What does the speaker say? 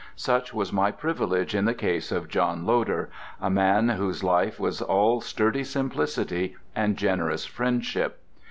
Such was my privilege in the case of John Loder, a man whose life was all sturdy simplicity and generous friendship.